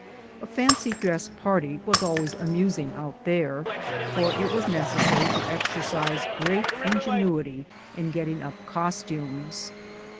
A fancy dress party was always amusing out there, for it was necessary to exercise great ingenuity in get ting up costumes.